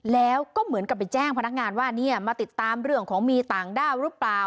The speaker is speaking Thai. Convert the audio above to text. แล้วก็เหมือนกับไปแจ้งพนักงานว่าเนี่ยมาติดตามเรื่องของมีต่างด้าวหรือเปล่า